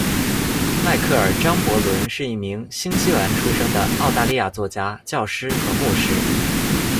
迈克尔·张伯伦是一名新西兰出生的澳大利亚作家、教师和牧师。